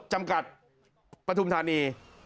จำกัดปฐุมธานี